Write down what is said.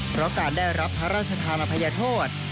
เพราะการได้รับพระราชธามภัยโทษ